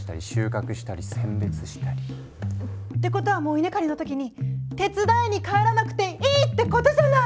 ってことはもう稲刈りの時に手伝いに帰らなくていいってことじゃない！